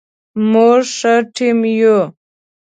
موږ ښه ټیم یو